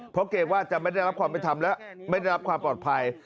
เพราะเกรงว่าจะไม่ได้รับความเป็นธรรมและไม่ได้รับความปลอดภัย